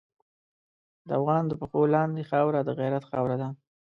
د افغان د پښو لاندې خاوره د غیرت خاوره ده.